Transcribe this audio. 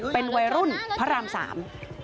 เป็นวัยรุ่นพระรามสาม